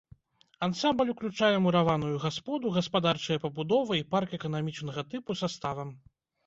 Ансамбль уключае мураваную гасподу, гаспадарчыя пабудовы і парк эканамічнага тыпу са ставам.